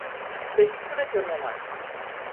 বেশিক্ষণের জন্য নয়।